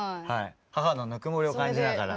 母のぬくもりを感じながら。